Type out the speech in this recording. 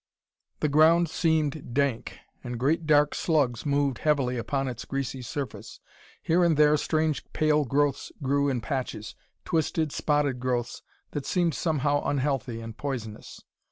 The ground seemed dank, and great dark slugs moved heavily upon its greasy surface. Here and there strange pale growths grew in patches twisted, spotted growths that seemed somehow unhealthy and poisonous.